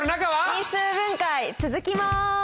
因数分解続きます。